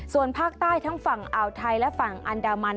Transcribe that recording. ส่วนภาคใต้ทั้งฝั่งอ่าวไทยและฝั่งอันดามัน